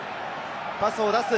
パスを出す。